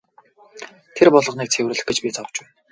Тэр болгоныг цэвэрлэх гэж би зовж байна.